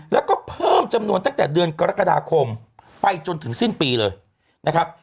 แล้วก็เพิ่มจำนวนตั้งแต่เดือนกรกฎาคมไปจนถึงสิ้นปีเลยนะครับ